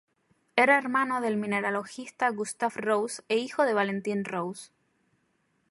Era hermano del mineralogista Gustav Rose e hijo de Valentín Rose.